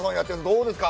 どうですか？